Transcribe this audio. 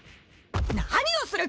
何をする！？